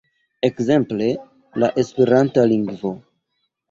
Ekzemple, la esperanta lingvo.